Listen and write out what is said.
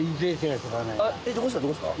・どこですか？